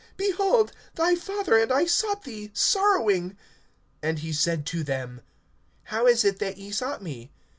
Behold, thy father and I sought thee, sorrowing. (49)And he said to them: How is it that ye sought me?